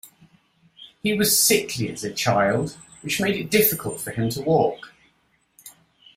He was sickly as a child, which made it difficult for him to walk.